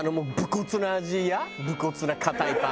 無骨な硬いパン。